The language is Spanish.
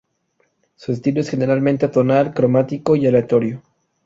Su estilo es generalmente atonal, cromático y aleatorio.